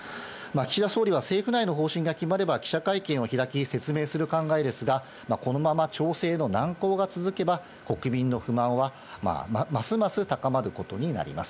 岸田総理は政府内の方針が決まれば、記者会見を開き、説明する考えですが、このまま調整の難航が続けば、国民の不満はますます高まることになります。